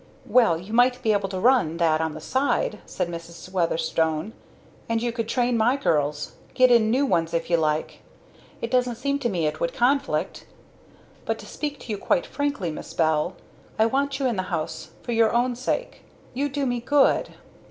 "Well, you might be able to run that on the side," said Mrs. Weatherstone. "And you could train my girls, get in new ones if you like; it doesn't seem to me it would conflict. But to speak to you quite frankly, Miss Bell, I want you in the house for my own sake. You do me good."